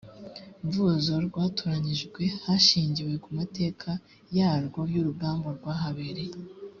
mvuzo rwatoranyijwe hashingiwe ku mateka yarwo y urugamba rwahabereye